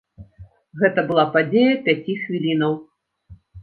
Гэта была падзея пяці хвілінаў.